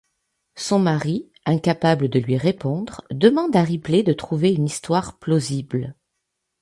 Son mari, incapable de lui répondre, demande à Ripley de trouver une histoire plausible.